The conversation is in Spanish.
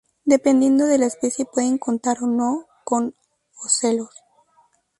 Dependiendo de la especie pueden contar o no con ocelos.